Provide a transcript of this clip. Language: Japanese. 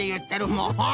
もう！